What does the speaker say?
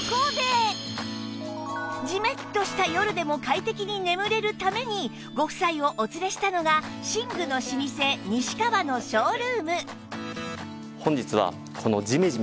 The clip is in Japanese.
ジメッとした夜でも快適に眠れるためにご夫妻をお連れしたのが寝具の老舗西川のショールーム